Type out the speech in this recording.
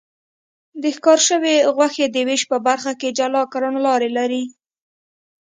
د ښکار شوې غوښې د وېش په برخه کې جلا کړنلارې لري.